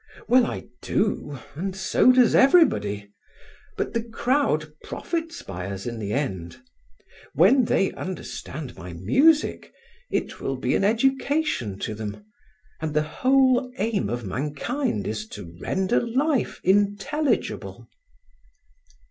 "Well, I do, and so does everybody; but the crowd profits by us in the end. When they understand my music, it will be an education to them; and the whole aim of mankind is to render life intelligible."